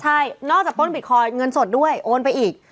ใช่นอกจากป้นบิตคอยน์เงินสดด้วยโอนไปอีก